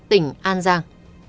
tỉnh an giang